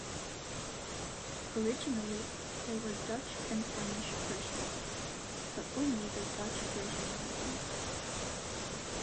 Originally there were Dutch and Flemish versions, but only the Dutch version remains.